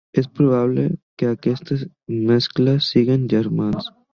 És probable que aquests mascles siguin germans.